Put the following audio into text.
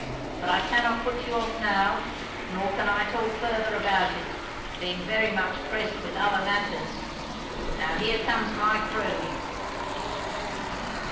But I cannot put you off now, nor can I talk further about it, being very much pressed with other matters. Now here comes my crew."